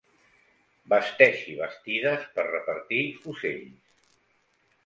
Basteixi bastides per repartir fusells.